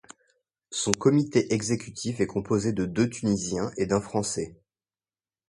Son comité exécutif est composé de deux Tunisiens et d’un Français.